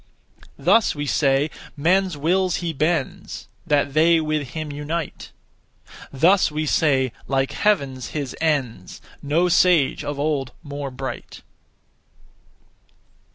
Thus we say, 'Men's wills he bends, That they with him unite.' Thus we say, 'Like Heaven's his ends, No sage of old more bright.'